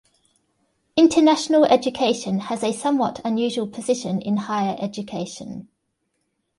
International education has a somewhat unusual position in higher education.